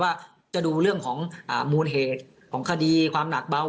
ว่าจะดูเรื่องของมูลเหตุของคดีความหนักเบา